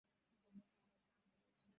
ফোনটা সম্ভবত ধরা উচিত।